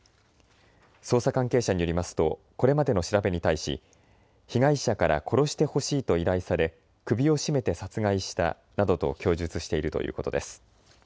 捜査関係者によりますとこれまでの調べに対し被害者から殺してほしいと依頼され首を絞めて殺害したなどと供述しているということです。